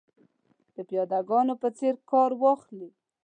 د پیاده ګانو په څېر کار واخلي.